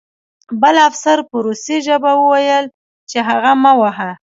بل افسر په روسي ژبه وویل چې هغه مه وهه